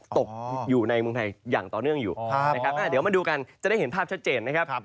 ตกอยู่ในเมืองไทยอย่างต่อเนื่องอยู่นะครับเดี๋ยวมาดูกันจะได้เห็นภาพชัดเจนนะครับ